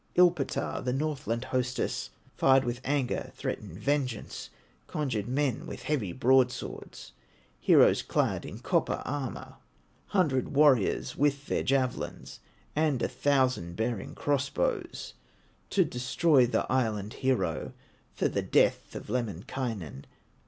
Ilpotar, the Northland hostess, Fired with anger, threatened vengeance, Conjured men with heavy broadswords, Heroes clad in copper armor, Hundred warriors with their javelins, And a thousand bearing cross bows, To destroy the Island hero, For the death of Lemminkainen.